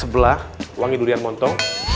sebelah wangi durian montong